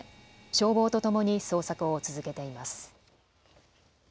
消防とともに捜索を続けています。